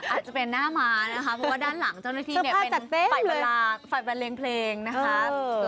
อาจจะเป็นหน้าม้านะคะเพราะว่าด้านหลังเจ้าหน้าที่เนี่ยเป็นฝ่ายบันเลงเพลงนะคะ